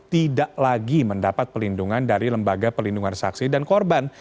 tidak lagi mendapat pelindungan dari lembaga pelindungan saksi dan korban